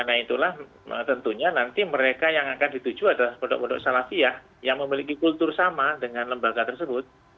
nah itulah tentunya nanti mereka yang akan dituju adalah pondok pondok salafiyah yang memiliki kultur sama dengan lembaga tersebut